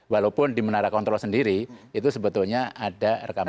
walaupun di menara kontrol sendiri itu sebetulnya ada rekaman